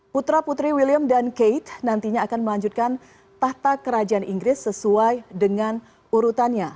putra putri william dan kate nantinya akan melanjutkan tahta kerajaan inggris sesuai dengan urutannya